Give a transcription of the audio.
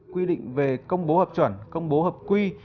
quy định về công bố hợp chuẩn công bố hợp quy